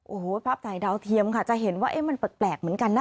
โอ้โหภาพถ่ายดาวเทียมค่ะจะเห็นว่ามันแปลกเหมือนกันนะ